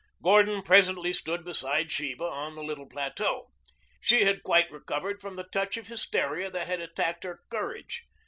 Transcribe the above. Gordon presently stood beside Sheba on the little plateau. She had quite recovered from the touch of hysteria that had attacked her courage.